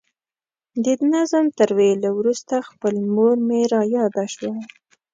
د نظم تر ویلو وروسته خپله مور مې را یاده شوه.